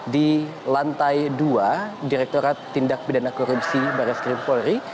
di lantai dua direkturat tindak bidana korupsi barat skrimpolri